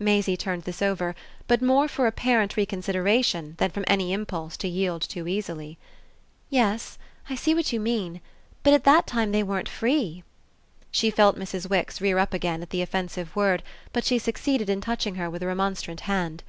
Maisie turned this over, but more for apparent consideration than from any impulse to yield too easily. "Yes, I see what you mean. But at that time they weren't free." She felt Mrs. Wix rear up again at the offensive word, but she succeeded in touching her with a remonstrant hand.